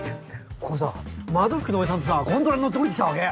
ここさ窓拭きのおじさんとさゴンドラ乗って降りて来たわけ。